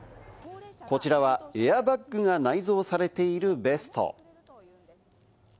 こちらはエアバッグが内蔵されているベスト。